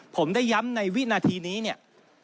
ผมได้ย้ำในวินาทีนี้เนี่ย